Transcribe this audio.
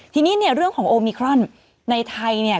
ทีนี้เนี่ยเรื่องของโอมิครอนในไทยเนี่ย